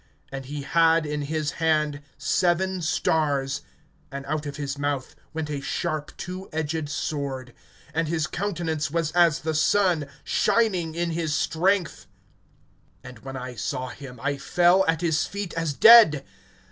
(16)And he had in his hand seven stars; and out of his mouth went a sharp two edged sword; and his countenance was as the sun shining in his strength. (17)And when I saw him, I fell at his feet as dead.